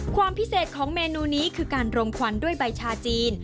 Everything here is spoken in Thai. ความพิเศษของเมนูนี้คือการรมควันด้วยใบชาจีน